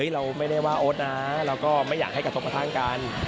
เราไม่ได้ว่าโอ๊ตนะเราก็ไม่อยากให้กระทบกระทั่งกัน